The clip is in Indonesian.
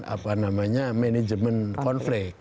apa namanya management konflik